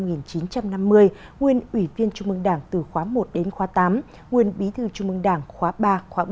nguyên ủy viên trung mương đảng từ khóa một đến khóa tám nguyên bí thư trung mương đảng khóa ba khóa bốn